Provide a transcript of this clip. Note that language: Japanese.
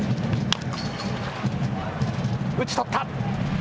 打ち取った。